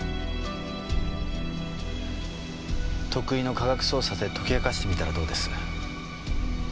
得意の科学捜査で解き明かしてみたらどうです？